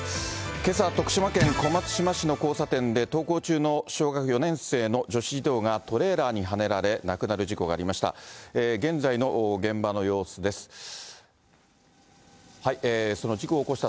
けさ、徳島県小松島市の交差点で、登校中の小学４年生の女子児童が、トレーラーにはねられ亡くなる事故がありました。